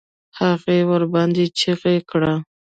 هغې ورباندې چيغه کړه.